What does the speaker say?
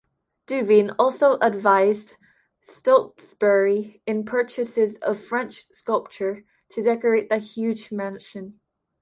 Duveen also advised Stotesbury in purchases of French sculpture to decorate the huge mansion.